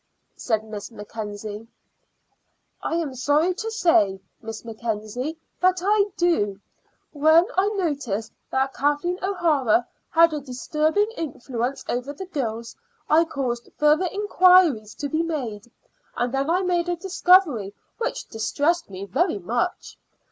said Miss Mackenzie. "I am sorry to say, Miss Mackenzie, that I do. When I noticed that Kathleen O'Hara had a disturbing influence over the girls I caused further inquiries to be made, and I then made a discovery which distressed me very much.